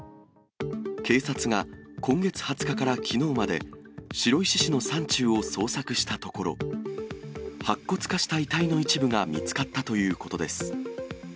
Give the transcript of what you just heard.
警察が、今月２０日からきのうまで、白石市の山中を捜索したところ、白骨化した遺体の一部が見つかったということです。